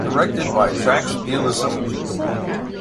Directed by Jacques deLisle.